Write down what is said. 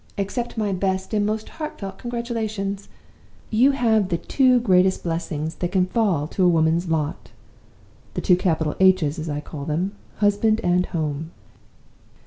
Accept my best and most heart felt congratulations. You have the two greatest blessings that can fall to a woman's lot; the two capital H's, as I call them Husband and Home.